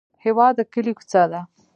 هېواد د کلي کوڅه ده.